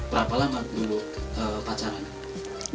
berapa lama dulu pacaran